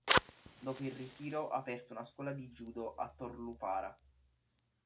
Dopo il ritiro ha aperto una scuola di judo a Tor Lupara.